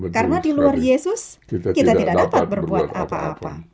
karena di luar yesus kita tidak dapat berbuat apa apa